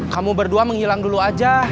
kamu berdua menghilang dulu aja